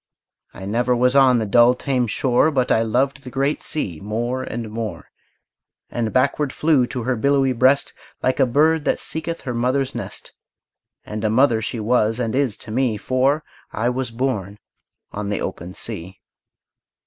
I never was on the dull, tame shore But I loved the great sea more and more, And backward flew to her billowy breast, Like a bird that seeketh her mother's nest, And a mother she was and is to me, For I was born on the open sea.